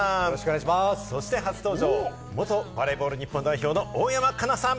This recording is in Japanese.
初登場は元バレーボール日本代表の大山加奈さん。